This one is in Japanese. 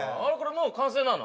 もう完成なの？